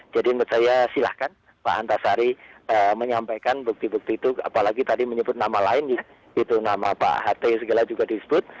jadi menurut saya silakan pak antasari menyampaikan bukti bukti itu apalagi tadi menyebut nama lain itu nama pak ht segala juga disebut